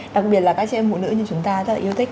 đặc biệt là các chị em phụ nữ như chúng ta rất là yêu thích